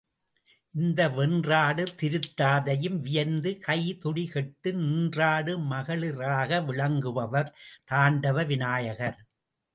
இந்த வென்றாடு திருத்தாதையும், வியந்து கை துடி கெட்ட, நின்றாடும் மழகளிறாக விளங்குபவர் தாண்டவ விநாயகர்.